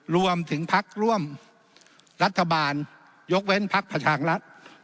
รวมถึงพักร่วมรัฐบาลยกเว้นพักประชางรัฐ